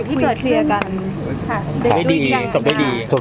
ข่าวต่างที่เปิดเคลียร์กัน